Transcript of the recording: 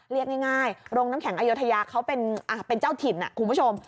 เรียกง่ายโรงน้ำแข็งอยุธยาเขาเป็นเจ้าถิ่นคุณผู้ชม